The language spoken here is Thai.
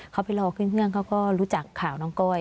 เขาไปรอขึ้นเครื่องเขาก็รู้จักข่าวน้องก้อย